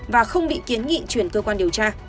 và không bị kiến nghị chuyển cơ quan điều tra